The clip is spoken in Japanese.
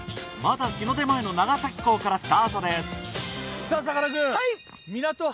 まだ日の出前の長崎港からスタートです